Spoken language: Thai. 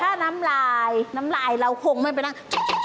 ถ้าน้ำลายน้ำลายเราคงไม่ไปนั่ง